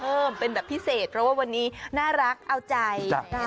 เพิ่มเป็นแบบพิเศษเพราะว่าวันนี้น่ารักเอาใจ